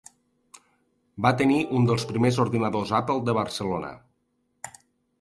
Va tenir un dels primers ordinadors Apple de Barcelona.